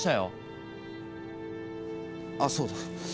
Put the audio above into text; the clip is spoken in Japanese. あっそうだ。